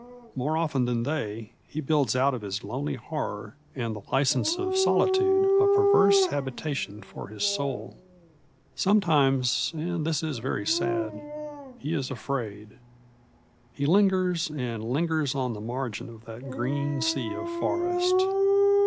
More often than they, he builds out of his lonely horror and the license of solitude a perverse habitation for his soul. Sometimes and this is very sad he is afraid. He lingers and lingers on the margin of that green sea of forest.